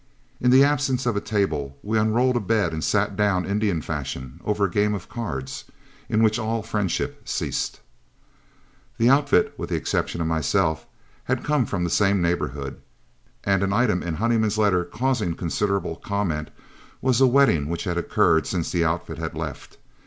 In the absence of a table, we unrolled a bed and sat down Indian fashion over a game of cards in which all friendship ceased. The outfit, with the exception of myself, had come from the same neighborhood, and an item in Honeyman's letter causing considerable comment was a wedding which had occurred since the outfit had left.